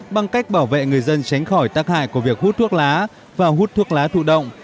bằng cách bảo vệ người dân tránh khỏi tác hại của việc hút thuốc lá và hút thuốc lá thụ động